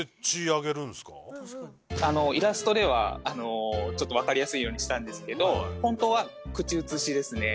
イラストでは分かりやすいようにしたんですけど本当は口移しですね